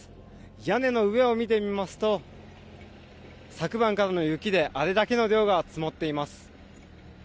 屋根の上を見てみますと昨晩からの雪であれだけの量が積もっています。